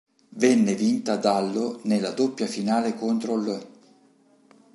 Venne vinta dallo nella doppia finale contro l'.